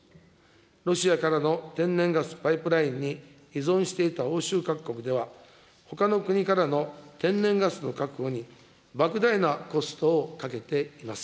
ロシアからの天然ガスパイプラインに依存していた欧州各国では、ほかの国からの天然ガスの確保にばく大なコストをかけています。